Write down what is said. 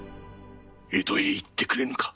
江戸へ行ってくれぬか。